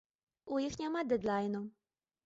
У іх няма дэдлайну.